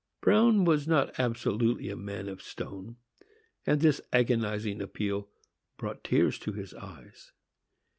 Bruin was not absolutely a man of stone, and this agonizing appeal brought tears to his eyes.